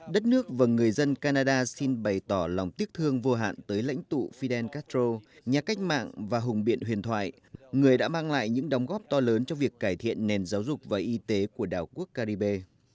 đất nước và người dân canada xin bày tỏ lòng tiếc thương vô hạn tới lãnh tụ fidel castro nhà cách mạng và hùng biện huyền thoại người đã mang lại những đóng góp to lớn cho việc cải thiện nền giáo dục và y tế của đảo quốc caribe